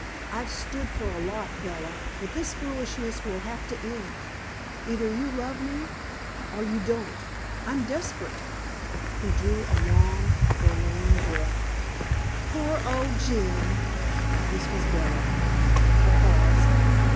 I've stood for a lot, Bella, but this foolishness will have to end. Either you love me or you don't. I'm desperate." He drew a long, forlorn breath. "Poor old Jim!" This was Bella. A pause.